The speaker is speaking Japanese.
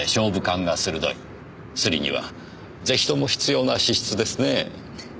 スリにはぜひとも必要な資質ですねぇ。